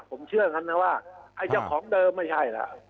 ผมเชื่อกันนะว่าไอ้เจ้าของเดิมไม่ใช่แล้ว